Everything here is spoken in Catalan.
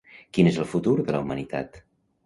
Quin és el futur de la humanitat?